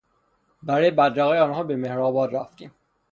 برای بدرقهی آنها به مهرآباد رفتیم.